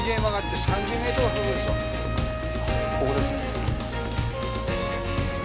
ここですね。